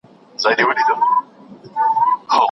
د بهرنیو اړیکو مدیریت کي مسلکي تګلاره نه تعقیبېږي.